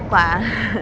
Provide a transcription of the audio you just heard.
gak contoh lah